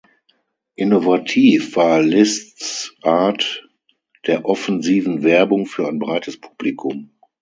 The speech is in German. Innovativ war Lists Art der offensiven Werbung für ein breites Publikum.